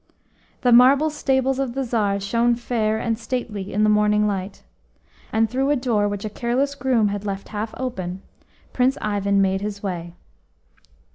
The marble stables of the Tsar shone fair and stately in the morning light, and, through a door which a careless groom had left half open, Prince Ivan made his way.